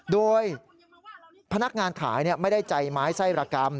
โดยพนักงานขายไม่ได้ใจไม้ไส้ระกรรม